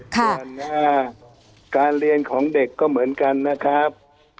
ส่วนหน้าการเรียนของเด็กก็เหมือนกันนะครับ